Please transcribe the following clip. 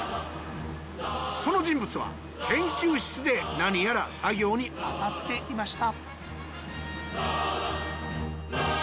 その人物は研究室で何やら作業にあたっていました